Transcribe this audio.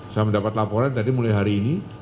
saya mendapat laporan tadi mulai hari ini